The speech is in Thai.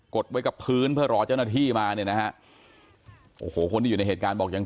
ดไว้กับพื้นเพื่อรอเจ้าหน้าที่มาเนี่ยนะฮะโอ้โหคนที่อยู่ในเหตุการณ์บอกยัง